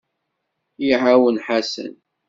Iɛawen Ḥasan.